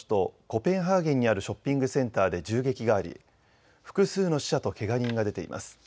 コペンハーゲンにあるショッピングセンターで銃撃があり複数の死者とけが人が出ています。